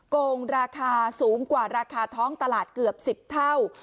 โกงราคาสูงกว่าราคาท้องตลาดเกือบ๑๐เท่า